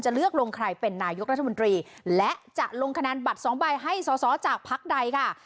เลือกลงใครเป็นนายกรัฐมนตรีและจะลงคะแนนบัตรสองใบให้สอสอจากพักใดค่ะ